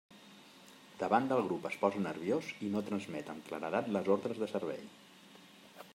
Davant del grup es posa nerviós i no transmet amb claredat les ordres de servei.